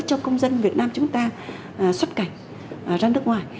cho công dân việt nam chúng ta xuất cảnh ra nước ngoài